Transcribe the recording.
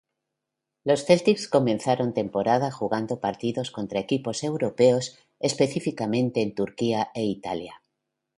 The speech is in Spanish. Los Celtics comenzaron pretemporada jugando partidos contra equipos Europeos, específicamente en Turquía e Italia.